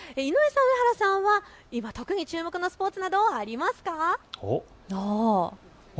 井上さん、上原さんは今特に注目のスポーツなどありますか。